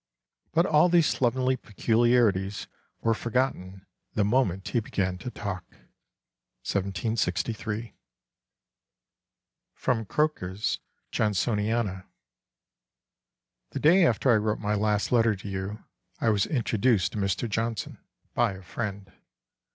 But all these slovenly peculiarities were forgotten the moment he began to talk." 1763. [Sidenote: Croker's Johnsoniana.] "The day after I wrote my last letter to you I was introduced to Mr. Johnson by a friend.